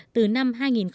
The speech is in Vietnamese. từ năm hai nghìn bốn mươi